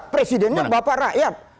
presidennya bapak rakyat